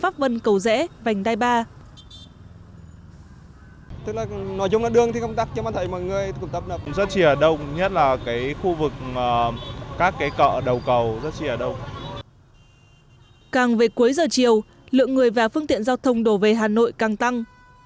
càng về cuối giờ chiều lượng người và phương tiện giao thông đổ về hà nội càng tăng